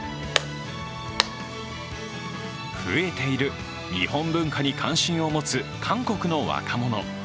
増えている日本文化に関心を持つ韓国の若者。